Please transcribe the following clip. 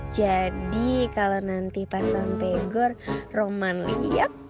jadi kalau nanti pas sampegor roman liat